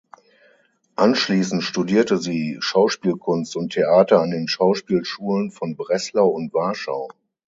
Anschließend studierte sie Schauspielkunst und Theater an den Schauspielschulen von Breslau und Warschau.